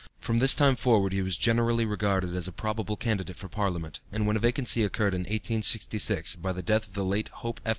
From this time forward he was generally regarded as a probable candidate for Parliament; and when a vacancy occurred in 1866, by the death of the late Hope F.